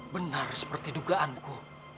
benar seperti dugaanku